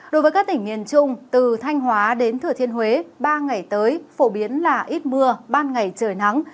đối với các tỉnh miền trung từ thanh hóa đến thừa thiên huế ba ngày tới phổ biến là ít mưa ban ngày trời nắng